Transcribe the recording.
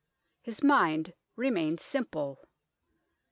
His mind remained simple.